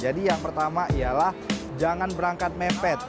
jadi yang pertama ialah jangan berangkat mepet